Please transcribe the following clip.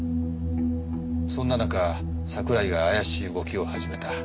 そんな中桜井が怪しい動きを始めた。